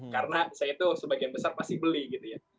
karena saya itu sebagian besar pasti beli gitu ya